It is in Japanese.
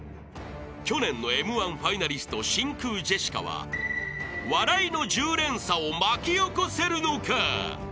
［去年のＭ−１ファイナリスト真空ジェシカは笑いの１０連鎖を巻き起こせるのか？］